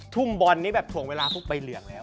ทุ่มบอลนี่แบบถ่วงเวลาทุกใบเหลืองแล้ว